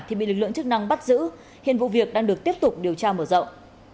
thì bị lực lượng chức năng bắt giữ hiện vụ việc đang được tiếp tục điều tra mở rộng